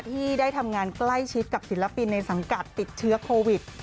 ที่ได้ทำงานใกล้ชิดกับศิลปินในสังกัดติดเชื้อโควิด